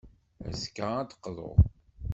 Azekka, ad d-teqḍu.